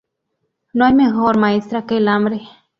No hay mejor maestra que el hambre